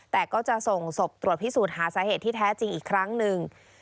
แต่ก็จะส่งศพตรวจพิสูจน์หาสาเหตุที่แท้จริงอีกครั้งหนึ่ง